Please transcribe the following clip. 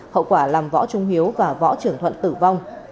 hậu quả làm võ trung hiếu và võ trưởng thuận tử vong